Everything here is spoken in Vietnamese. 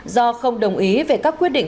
do không đồng ý về các quyết định